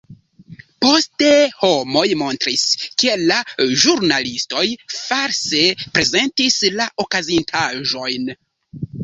Poste homoj montris, ke la ĵurnalistoj false prezentis la okazintaĵojn.